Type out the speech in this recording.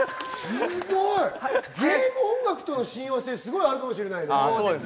ゲーム音楽との親和性すごいあるかもしれないね。